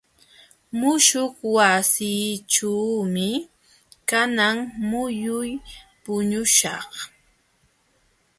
Muśhuq wasiićhuumi kanan muyun puñuśhaq.